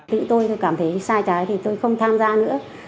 tự tôi cảm thấy sai trái thì tôi không tham gia nữa